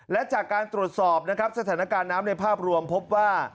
และจากการตรวจสอบนะครับสถานการณ์น้ำในภาพรวมพบว่า